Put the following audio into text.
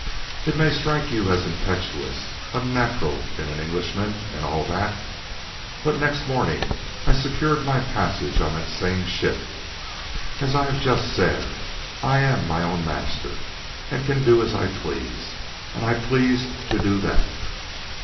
It may strike you as impetuous, unnatural in an Englishman, and all that, but next morning I secured my passage on that same ship. As I have just said, I am my own master and can do as I please, and I pleased to do that.